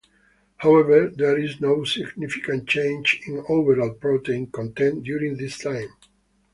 However, there is no significant change in overall protein content during this time.